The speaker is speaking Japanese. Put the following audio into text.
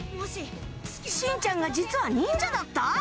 しんちゃんが実は忍者だった！？